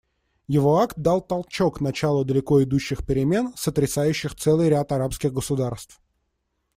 Его акт дал толчок началу далеко идущих перемен, сотрясающих целый ряд арабских государств.